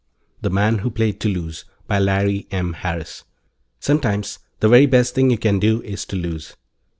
THE MAN WHO PLAYED TO LOSE By LARRY M. HARRIS _Sometimes the very best thing you can do is to lose.